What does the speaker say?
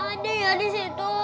ada ya di situ